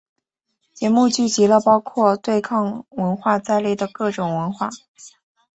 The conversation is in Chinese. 节日聚集了包括对抗文化在内的各种文化。